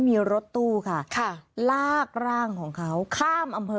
มีรถตู้ค่ะลากร่างของเขาข้ามอำเภอ